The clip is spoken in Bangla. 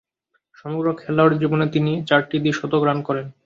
সমগ্র খেলোয়াড়ী জীবনে তিনি চারটি দ্বি-শতক রান করেন।